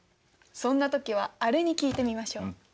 そんな時はあれに聞いてみましょう。